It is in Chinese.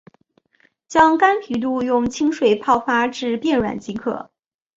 将干皮肚用清水泡发至变软即可。